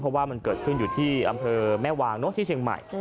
เพราะว่ามันเกิดขึ้นอยู่ที่อำเภอแม่วางที่เชียงใหม่